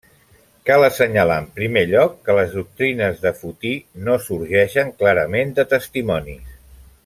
Cal assenyalar en primer lloc que les doctrines de Fotí no sorgeixen clarament de testimonis.